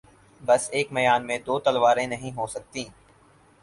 بس ایک میان میں دو تلواریں نہیں ہوسکتیں